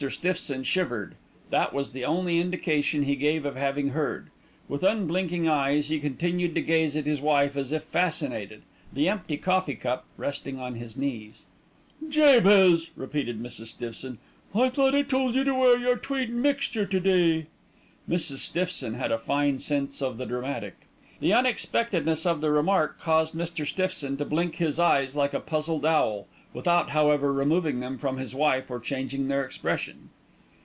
Stiffson shivered; that was the only indication he gave of having heard. With unblinking eyes he continued to gaze at his wife as if fascinated, the empty coffee cup resting on his knees. "Jabez!" repeated Mrs. Stiffson. "I thought I told you to wear your tweed mixture to day." Mrs. Stiffson had a fine sense of the dramatic! The unexpectedness of the remark caused Mr. Stiffson to blink his eyes like a puzzled owl, without however removing them from his wife, or changing their expression.